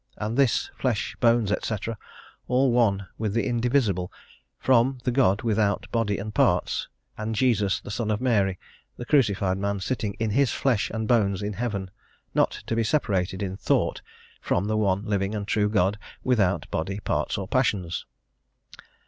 and this flesh, bones, &c, all one with the indivisible, from the God without body and parts, and Jesus the Son of Mary, the crucified man, sitting in his flesh and bones in heaven, not to be separated in thought from the one living and true God, without body, parts, or passions.